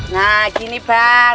nah gini bang